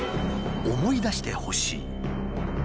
思い出してほしい。